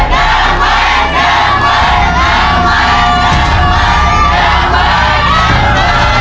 แก้มใหม่แก้มใหม่แก้มใหม่แก้มใหม่